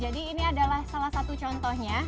jadi ini adalah salah satu contohnya